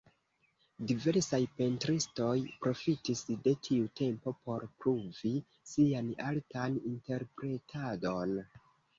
Diversaj pentristoj profitis de tiu temo por pruvi sian artan interpretadon.